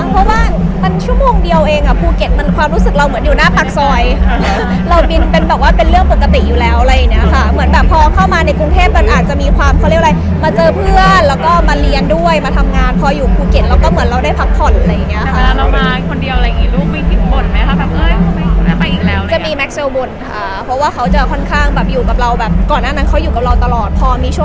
เข้ามาในกรุงเทพมันอาจจะมีความเขาเรียกว่าอะไรมาเจอเพื่อนแล้วก็มาเรียนด้วยมาทำงานพออยู่ภูเก็ตเราก็เหมือนเราได้พักผ่อนอะไรอย่างเงี้ยค่ะน้องมาคนเดียวอะไรอย่างงี้ลูกมีคิดบ่นไหมคะแบบเอ้ยไปอีกแล้วจะมีแม็กเซลบ่นอ่าเพราะว่าเขาจะค่อนข้างแบบอยู่กับเราแบบก่อนหน้านั้นเขาอยู่กับเราตลอดพอมีช